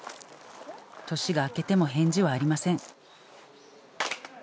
年が明けても返事はありません。